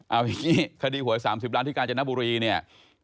เอาอย่างนี้คดีหวย๓๐ล้านที่กาญจนบุรีเนี่ย